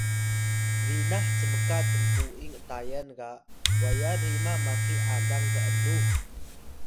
binah cmka tnpu’ing atayan ga waya rima maki alang b’nux